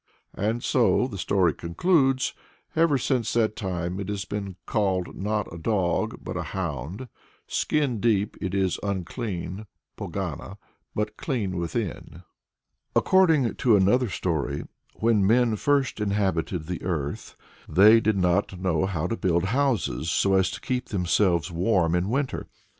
And so the story concludes "ever since that time it has been called not a dog but a hound skin deep it is unclean (pogana), but clean within." According to another story, when men first inhabited the earth, they did not know how to build houses, so as to keep themselves warm in winter.